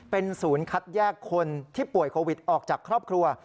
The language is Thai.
เป็นศูนย์คัดแยกคนที่ป่วยโควิดออกจากครอบครัว